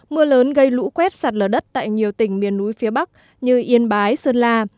mưa lớn gây lũ quét sạt lở đất tại nhiều tỉnh miền núi phía bắc như yên bái sơn la